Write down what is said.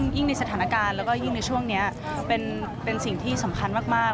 ในสถานการณ์แล้วก็ยิ่งในช่วงนี้เป็นสิ่งที่สำคัญมาก